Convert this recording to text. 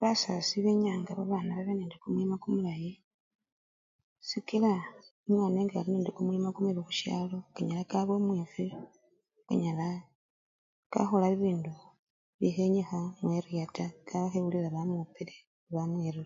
Basasi benyanga babana babe nende kiumwima kumulayi sikila omwana ngali nende kumwima kumubii khusyalo kanyala kaba omwifwi, kanyala khakhola bibindu bikhenyikhana mu-eriya taa kakhebulila bamupile bamwirire.